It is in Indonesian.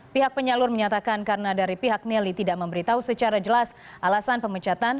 pihak penyalur menyatakan karena dari pihak nelly tidak memberitahu secara jelas alasan pemecatan